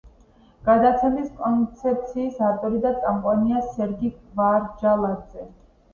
გადაცემის კონცეფციის ავტორი და წამყვანია სერგი გვარჯალაძე.